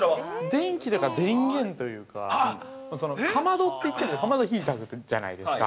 ◆電気だから、電源というかかまどって言ってるのにかまど、火で炊くじゃないですか。